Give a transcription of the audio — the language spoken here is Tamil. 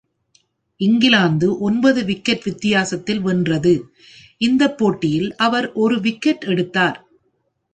இங்கிலாந்து ஒன்பது விக்கெட் வித்தியாசத்தில் வென்றது, இந்த போட்டியில் அவர் ஒரு விக்கெட் எடுத்தார்.